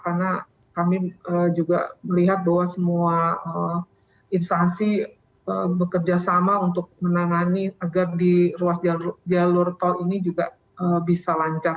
karena kami juga melihat bahwa semua instansi bekerja sama untuk menangani agar di ruas jalur tol ini juga bisa lancar